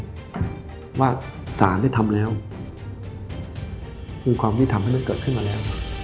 เพราะว่าสารได้ทำแล้วมีความยุติธรรมให้มันเกิดขึ้นมาแล้ว